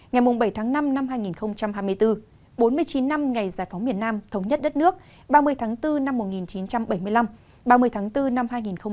ngày bảy tháng năm năm hai nghìn hai mươi bốn bốn mươi chín năm ngày giải phóng miền nam thống nhất đất nước ba mươi tháng bốn năm một nghìn chín trăm bảy mươi năm ba mươi tháng bốn năm hai nghìn hai mươi bốn